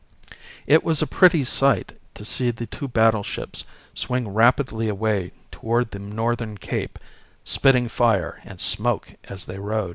"It was a pretty sight to see the two battleships swing rapidly away toward the northern cape, spitting fire and smoke as they rode.